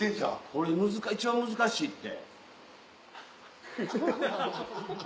これ一番難しいって。